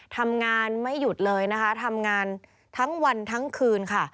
ทำงานไม่หยุดเลยนะคะทำงานทั้งวันทั้งคืนค่ะ